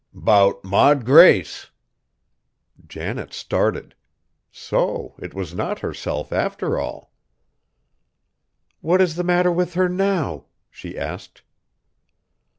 "'Bout Maud Grace!" Janet started. So it was not herself after all! "What is the matter with her now?" she asked.